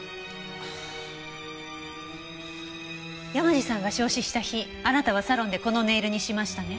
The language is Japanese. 山路さんが焼死した日あなたはサロンでこのネイルにしましたね？